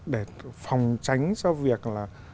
để phòng tránh cho việc là